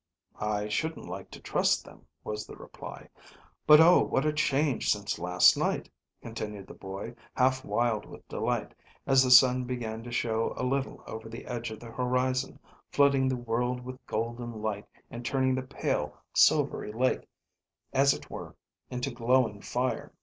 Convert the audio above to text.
"I shouldn't like to trust them," was the reply. "But oh, what a change since last night," continued the boy, half wild with delight, as the sun began to show a little over the edge of the horizon, flooding the world with golden light and turning the pale, silvery lake as it were into glowing fire.